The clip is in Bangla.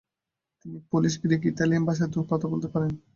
তিনি পোলিশ, গ্রীক এবং ইটালিয়ান ভাষাতেও কথা বলতে পারতেন।